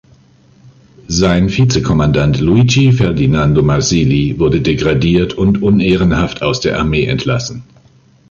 Sein Vize-Kommandant Luigi Ferdinando Marsigli wurde degradiert und unehrenhaft aus der Armee entlassen.